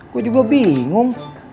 gua juga bingung